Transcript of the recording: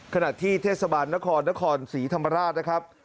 ขณะที่เทศบาลนครนครศรีธรรมราชนะครับ